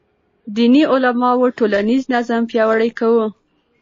دیني علماو ټولنیز نظم پیاوړی کاوه.